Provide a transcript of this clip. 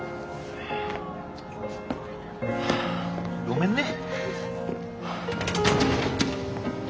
ごめんね。